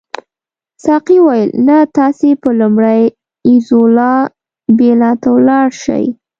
ساقي وویل نه تاسي به لومړی ایزولا بیلا ته ولاړ شئ.